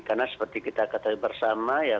karena seperti kita katakan bersama ya